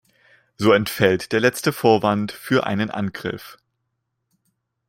So entfällt der letzte Vorwand für einen Angriff.